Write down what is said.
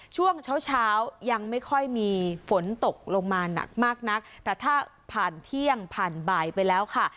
ช่วงเช้าเช้ายังไม่ค่อยมีฝนตกลงมาหนักมากนักแต่ถ้าผ่านเที่ยงผ่านบ่ายไปแล้วค่ะ